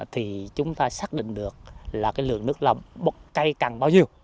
thì chúng ta xác định được lượng nước lòng cây cằn bao nhiêu